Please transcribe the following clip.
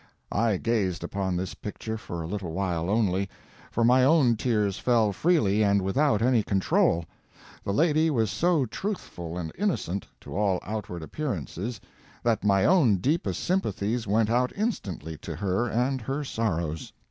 I gazed upon this picture for a little while only, for my own tears fell freely and without any control; the lady was so truthful and innocent, to all outward appearances, that my own deepest sympathies went out instantly to her and her sorrows.